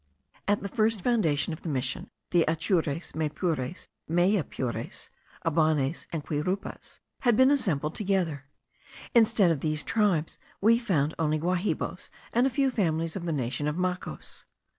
At the first foundation of the Mission, the Atures, Maypures, Meyepures, Abanis, and Quirupas, had been assembled together. Instead of these tribes we found only Guahibos, and a few families of the nation of Macos.